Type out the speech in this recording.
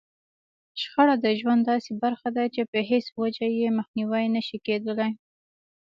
شخړه د ژوند داسې برخه ده چې په هېڅ وجه يې مخنيوی نشي کېدلای.